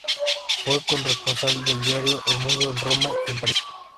Fue corresponsal del diario "El Mundo" en Roma y en París.